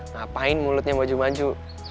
ngapain mulutnya baju baju